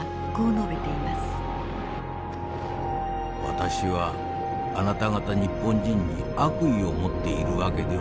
「私はあなた方日本人に悪意を持っている訳ではありません。